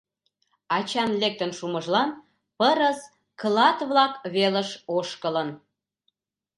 Ачан лектын шумыжлан пырыс клат-влак велыш ошкылын.